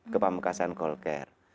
ke pamekasan call care